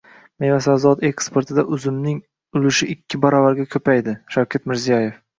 Meva-sabzavotlar eksportida uzumning ulushiikkibaravarga ko‘paydi – Shavkat Mirziyoyev